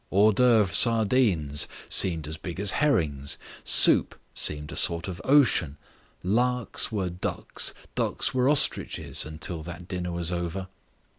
Hors d'oeuvre sardines seemed as big as herrings, soup seemed a sort of ocean, larks were ducks, ducks were ostriches until that dinner was over.